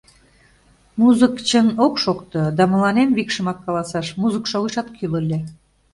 Музык, чын, ок шокто, да мыланем, викшымак каласаш, музыкшо огешат кӱл ыле.